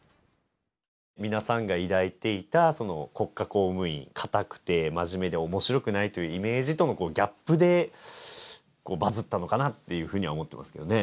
皆さんが抱いていた国家公務員かたくて真面目で面白くないというイメージとのギャップでバズったのかなっていうふうには思ってますけどね